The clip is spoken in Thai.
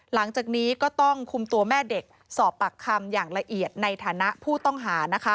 หลังจากนี้ก็ต้องคุมตัวแม่เด็กสอบปากคำอย่างละเอียดในฐานะผู้ต้องหานะคะ